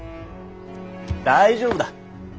大丈夫だ。